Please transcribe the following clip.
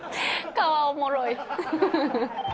顔、おもろい。